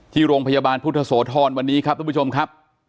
ที่โรงพยาบาลพุทธโสธรวันนี้ครับทุกผู้ชมครับ